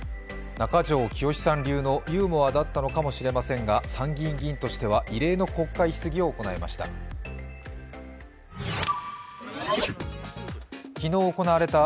中条きよしさん流のユーモアだったのかもしれませんが参議院議員としては異例の国会質疑を行いました。